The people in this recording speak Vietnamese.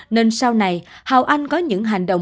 nên sau này hào anh có những hành động